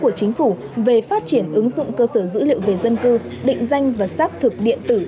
của chính phủ về phát triển ứng dụng cơ sở dữ liệu về dân cư định danh và xác thực điện tử